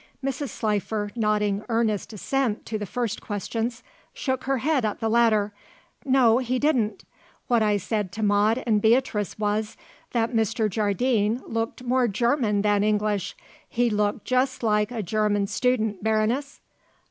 Mrs. Slifer, nodding earnest assent to the first questions, shook her head at the latter. "No, he didn't. What I said to Maude and Beatrice was that Mr. Jardine looked more German than English. He looked just like a German student, Baroness."